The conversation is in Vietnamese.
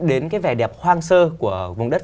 đến cái vẻ đẹp hoang sơ của vùng đất